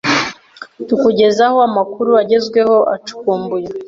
Tukugezaho amakuru agezweho, acukumbuye